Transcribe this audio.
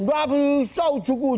gak bisa ujuk ujuk